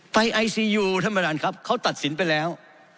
ไปไอซียูธรรมดาลครับเขาตัดสินไปแล้ว